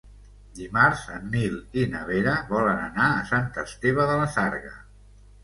Dimarts en Nil i na Vera volen anar a Sant Esteve de la Sarga.